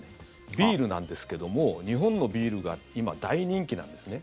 ビールなんですけれども日本のビールが今、大人気なんですね。